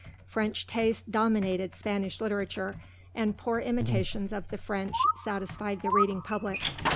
French taste dominated Spanish literature, and poor imitations of the French satisfied the reading public.